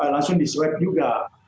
langsung di swab juga